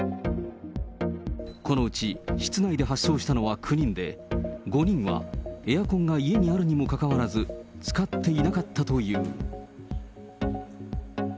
このうち室内で発症したのは９人で、５人はエアコンが家にあるにもかかわらず、使っていなかったという。